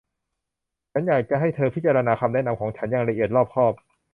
ฉันอยากให้เธอพิจารณาคำแนะนำของฉันอย่างละเอียดรอบคอบ